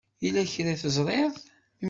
Yella kra i teẓṛiḍ?